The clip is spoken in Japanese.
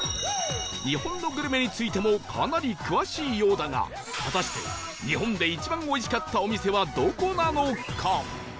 日本のグルメについてもかなり詳しいようだが果たして日本で一番おいしかったお店はどこなのか？